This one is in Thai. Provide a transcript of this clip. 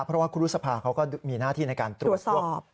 เพราะว่าครูรุษภาเขาก็มีหน้าที่ในการตรวจสอบ